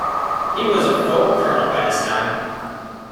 He was a full colonel by this time.